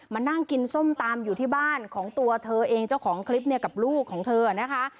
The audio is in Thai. มานั่งกินส้มตำอยู่ที่บ้านของตัวเธอเองเจ้าของคลิปเนี่ยกับลูกของเธอนะคะ